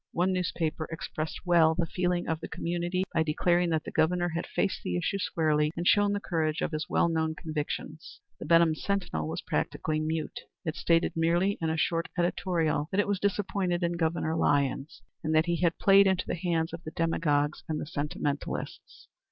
One newspaper expressed well the feeling of the community by declaring that the Governor had faced the issue squarely and shown the courage of his well known convictions. The Benham Sentinel was practically mute. It stated merely in a short editorial that it was disappointed in Governor Lyons, and that he had played into the hands of the demagogues and the sentimentalists.